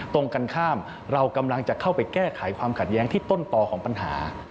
ตรงกันข้ามเรากำลังจะเข้าไปแก้ไขความขัดแย้งที่ต้นต่อของปัญหา